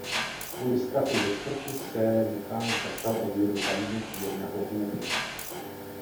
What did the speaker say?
Kvůli strachu ze smrti se Michael začal o víru zajímat z jiného úhlu.